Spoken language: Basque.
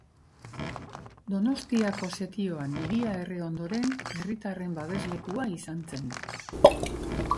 Donostiako setioan hiria erre ondoren, herritarren babeslekua izan zen.